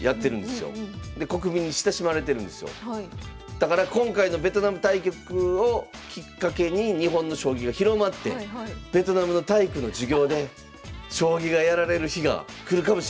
だから今回のベトナム対局をきっかけに日本の将棋が広まってベトナムの体育の授業で将棋がやられる日が来るかもしれない。